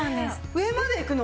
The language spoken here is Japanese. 上までいくの？